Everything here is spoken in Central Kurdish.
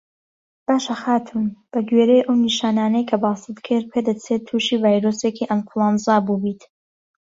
باشه خاتوون بە گوێرەی ئەو نیشانانەی کە باست کرد پێدەچێت تووشی ڤایرۆسێکی ئەنفلەوەنزا بووبیت